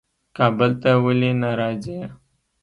کابل ته ولي نه راځې؟